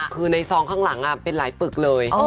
คือในซองข้างหลังเป็นหลายปึกเลย